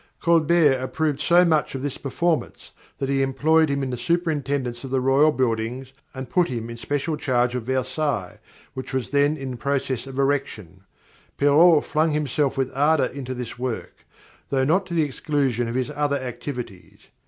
Colbert approved so much of this performance that he employed him in the superintendence of the royal buildings and put him in special charge of Versailles, which was then in process of erection. Perrault flung himself with ardour into this work, though not to the exclusion of his other activities.